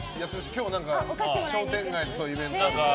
今日商店街のイベントで。